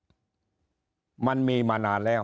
ปัญหานี้มันมีมานานแล้ว